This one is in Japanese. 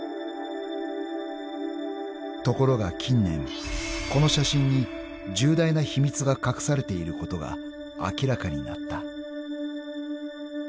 ［ところが近年この写真に重大な秘密が隠されていることが明らかになった］